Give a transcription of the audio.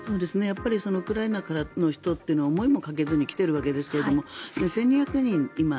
ウクライナからの人っていうのは思いもかけずに来ているわけですが１２００人、今。